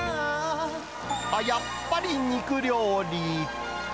やっぱり肉料理。